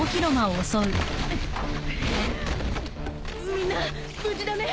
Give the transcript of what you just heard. みんな無事だね？